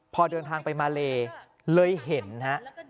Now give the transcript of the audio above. พอเดินทางไปมาเลเลยเห็นฮะ